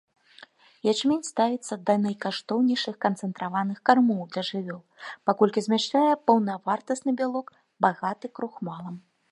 Ячмень ставіцца да найкаштоўнейшых канцэнтраваных кармоў для жывёл, паколькі змяшчае паўнавартасны бялок, багаты крухмалам.